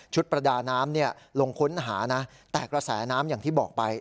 ประดาน้ำลงค้นหานะแต่กระแสน้ำอย่างที่บอกไป